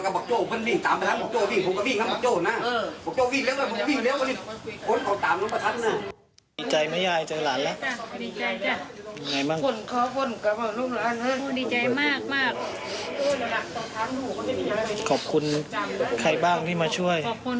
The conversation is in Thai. ขอบคุณทุกทุกคนนะจ้ะ